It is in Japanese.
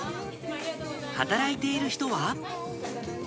働いている人は。